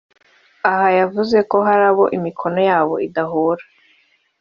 Aha yavuze ko hari abo imikono yabo idahura